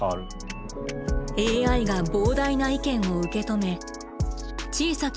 ＡＩが膨大な意見を受け止め小さき